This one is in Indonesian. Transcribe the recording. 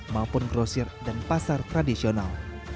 maupun grosir dan pasar tradisional